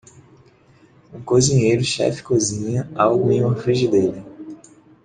Um cozinheiro chefe cozinha algo em uma frigideira.